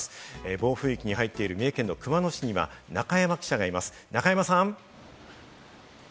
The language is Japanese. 暴風域に入っている三重県熊野市には仲山記者がいます、仲山さん。